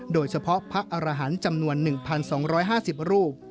โดยเฉพาะพระอรหันต์จำนวน๑๒๕๐รูป